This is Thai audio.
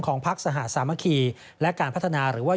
ของภักดิ์สหรัฐสามัคคีและการพัฒนาหรือว่า